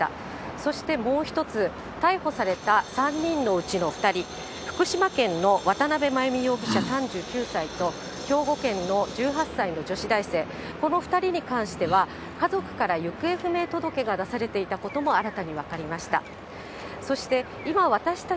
そしてもう一つ、逮捕された３人のうちの２人、福島県の渡邉真由美容疑者３９歳と、兵庫県の１８歳の女子大生、この２人に関しては、家族から行方不明届が出されていたことも新たに分かりました。